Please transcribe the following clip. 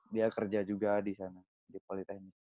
dia kerja juga di sana di politeknik